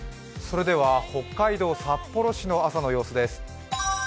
北海道札幌市の朝の様子です。